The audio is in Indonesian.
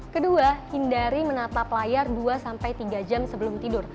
kedua hindari menatap layar dua sampai tiga jam sebelum tidur